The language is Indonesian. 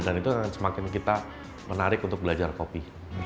dan itu yang semakin kita menarik untuk belajar kopi